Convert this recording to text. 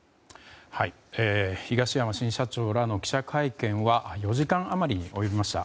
東山新社長らの記者会見は４時間余りに及びました。